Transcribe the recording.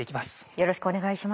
よろしくお願いします。